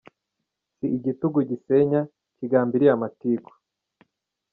Si igitugu gisenya, kigambiriye amatiku